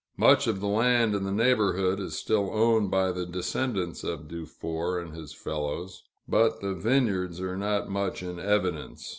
Much of the land in the neighborhood is still owned by the descendants of Dufour and his fellows, but the vineyards are not much in evidence.